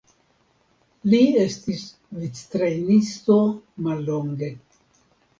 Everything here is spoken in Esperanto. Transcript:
Li estis victrejnisto mallonge.